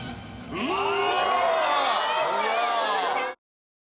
うわ！